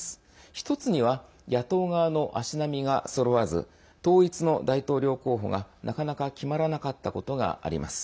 １つには野党側の足並みがそろわず統一の大統領候補が、なかなか決まらなかったことがあります。